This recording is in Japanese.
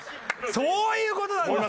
そういう事なんですよ。